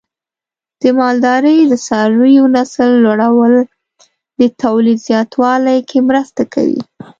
د مالدارۍ د څارویو نسل لوړول د تولید زیاتوالي کې مرسته کوي.